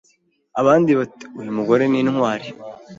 abandi bati uyu mugore ni intwari ,